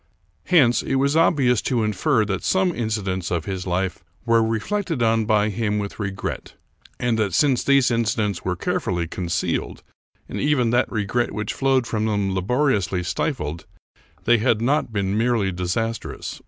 Hence, it was obvious to infer that some incidents of his life were reflected on by him with regret ; and that, since these incidents were carefully con cealed, and even that regret which flowed from them labori ously stifled, they had not been merely disastrous.